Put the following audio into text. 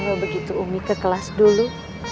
kalau begitu umi ke kelas dulu